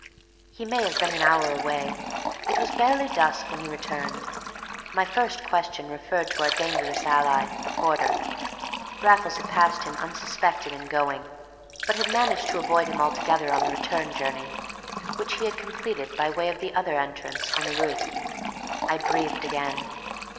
He may have been an hour away. It was barely dusk when he returned, and my first question referred to our dangerous ally, the porter. Raffles had passed him unsuspected in going, but had managed to avoid him altogether on the return journey, which he had completed by way of the other entrance and the roof. I breathed again.